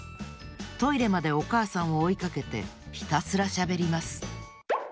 トイレまでおかあさんをおいかけてひたすらしゃべります